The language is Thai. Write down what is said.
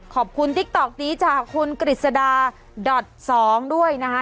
ขอบคุณติ๊กต๊อกนี้จากคุณกริสดา๒ด้วยนะฮะ